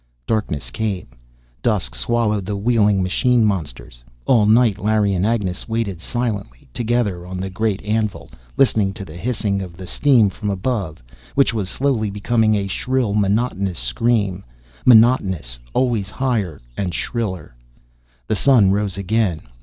Darkness came. Dusk swallowed the wheeling machine monsters. All night Larry and Agnes waited silently, together on the great anvil, listening to the hissing of steam from above, which was slowly becoming a shrill monotonous scream; monotonous, always higher, shriller. The "sun" rose again.